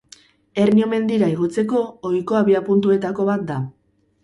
Ernio mendira igotzeko ohiko abiapuntuetako bat da.